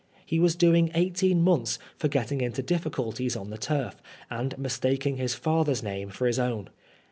He was doing eighteen months for getting into difficulties on the turf, and mistaking his father's name for his bwn.